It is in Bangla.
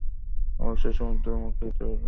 অবশ্যই সমুদ্রমুখী হতে হবে।